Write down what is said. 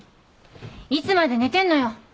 いつまで寝てんのよ。